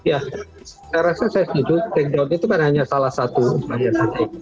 ya saya rasa saya setuju take down itu kan hanya salah satu upaya